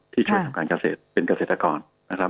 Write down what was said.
ช่วยทำการเกษตรเป็นเกษตรกรนะครับ